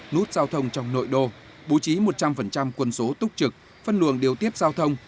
nút giao thông trong nội đô bố trí một trăm linh quân số túc trực phân luồng điều tiết giao thông